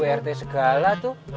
iya bisa saja